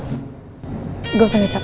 kalau ada lu jujur betongan kenapa